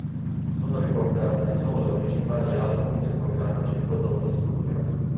Sono riportati solo i principali album discografici prodotti in studio.